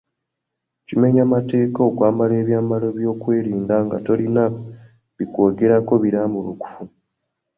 Kimenya mateeka okwambala ebyambalo by'ebyokwerinda nga tolina bikwogerako birambulukufu.